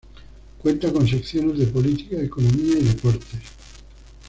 Cuenta con secciones de Política, Economía, y Deportes.